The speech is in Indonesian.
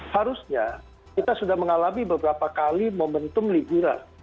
harusnya kita sudah mengalami beberapa kali momentum liburan